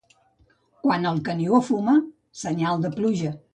Quan el Canigó fuma, senyal de pluja.